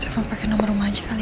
tak adashuhuyah spend